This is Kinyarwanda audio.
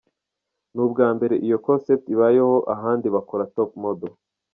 Ni ubwa mbere iyo concept ibayeho, ahandi bakora Top model.